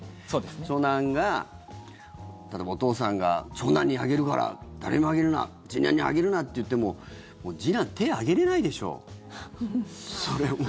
長男が例えば、お父さんが長男にあげるから誰にもあげるな次男にあげるな！って言ってもう次男手、挙げれないでしょ。